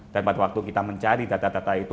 dan pada waktu kita mencari data data itu